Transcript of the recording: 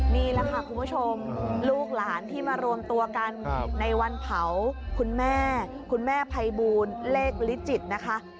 นี่แหละค่ะคุณผู้ชมลูกหลานที่มารวมตัวกันในวันเผาคุณแม่คุณแม่ภัยบูลเลขลิจิตนะคะ